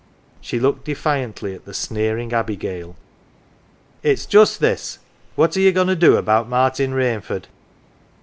She looked defiantly at the sneering abigail. " It's just this. What are ye goin' to do about Martin Rainford